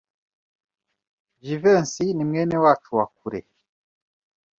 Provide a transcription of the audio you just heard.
Jivency ni mwene wacu wa kure.